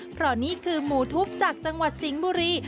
เพราะนี่คือหมูทุบจากจังหวัดสิงห์บุรี